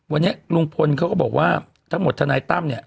วันนี้ลุงพลเขาก็บอกว่าทั้งหมดทนายตั้มเนี่ย